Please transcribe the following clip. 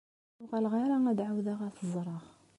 Ur uɣaleɣ ara ad ɛawdeɣ ad t-ẓreɣ.